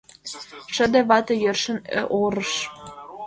Шыде вате йӧршын орыш